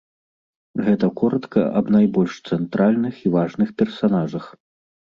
Гэта коратка аб найбольш цэнтральных і важных персанажах.